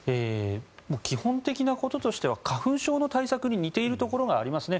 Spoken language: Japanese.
基本的なこととしては花粉症の対策に似ているところがありますね。